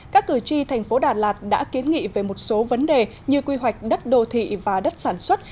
các cử tri thành phố đà lạt đã kiến nghị về một số vấn đề như quy hoạch đất đô thị và đất sản xuất